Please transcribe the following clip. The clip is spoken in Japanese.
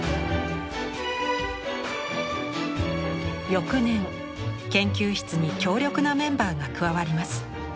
翌年研究室に強力なメンバーが加わります。